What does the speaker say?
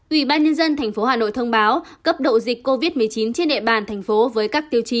ubnd tp hà nội thông báo cấp độ dịch covid một mươi chín trên địa bàn tp với các tiêu chuẩn